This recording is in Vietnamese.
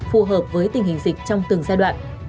phù hợp với tình hình dịch trong từng giai đoạn